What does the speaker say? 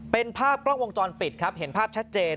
เป็นภาพกล้องวงจรปิดครับเห็นภาพชัดเจน